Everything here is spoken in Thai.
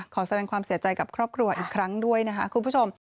ขอแสดงความเสียใจกับครอบครัวอีกครั้งด้วยนะคะคุณผู้ชม